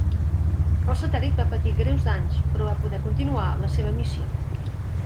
El satèl·lit va patir greus danys però va poder continuar la seva missió.